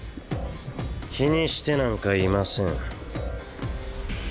気にしてなんかいません。